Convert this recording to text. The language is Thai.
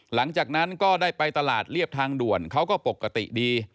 หลังจากนั้นก็ได้ไปตลาดเรียบทางด่วนเขาก็ปกติดี